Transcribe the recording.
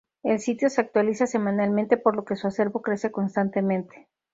El sitio se actualiza semanalmente por lo que su acervo crece constantemente.